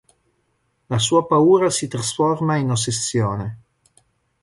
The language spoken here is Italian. La sua paura si trasforma in ossessione.